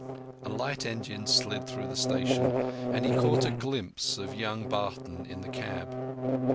A light engine slid through the station, and he caught a glimpse of young Barton in the cab.